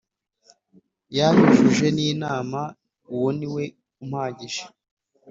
Yanyujuje n’Imana uwo niwe umpagije